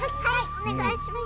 お願いします。